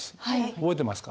覚えてますか？